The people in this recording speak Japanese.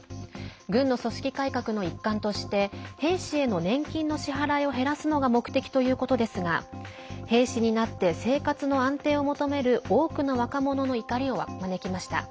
軍の組織改革の一環として兵士への年金の支払いを減らすのが目的ということですが兵士になって生活の安定を求める多くの若者の怒りを招きました。